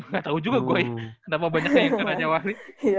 gak tahu juga gue ya kenapa banyaknya yang ke rajawali